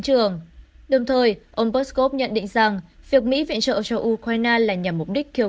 trường đồng thời ông peskov nhận định rằng việc mỹ viện trợ cho ukraine là nhằm mục đích kêu